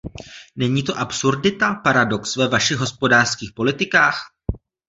Není to absurdita? Paradox ve vašich hospodářských politikách?